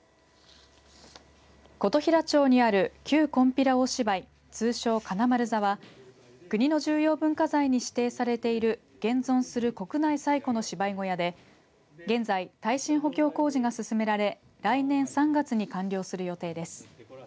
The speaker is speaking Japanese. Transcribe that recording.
琴平町にある旧金毘羅大芝居通称、金丸座は国の重要文化財に指定されている現存する国内最古の芝居小屋で現在、耐震補強工事が進められ来年３月に完了する予定です。